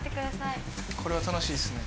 これは楽しいですね。